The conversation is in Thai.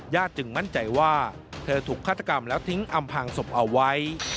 จึงมั่นใจว่าเธอถูกฆาตกรรมแล้วทิ้งอำพางศพเอาไว้